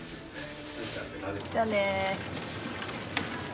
じゃあね。